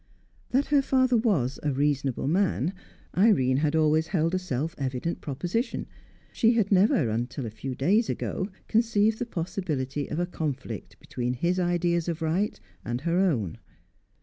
That her father was "a reasonable man," Irene had always held a self evident proposition. She had never, until a few days ago, conceived the possibility of a conflict between his ideas of right and her own.